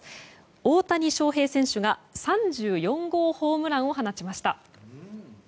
大谷翔平選手が３４号ホームランを放ちました。